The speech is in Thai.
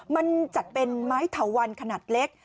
มันจัดเป็นไม้เถาวันขนาดเล็ก